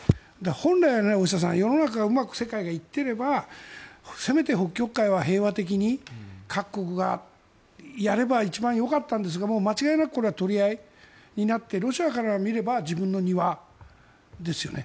本来なら大下さん、世の中が世界がうまくいっていればせめて北極海は平和的に各国がやれば一番よかったんですがこれは間違いなく取り合いになってロシアから見れば自分の庭ですよね。